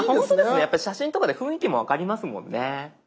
やっぱり写真とかで雰囲気も分かりますもんね。